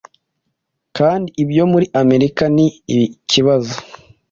kandi ibyo muri Amerika ni ikibazo